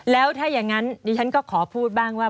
แล้วถ้าอย่างนั้นดิฉันก็ขอพูดบ้างว่า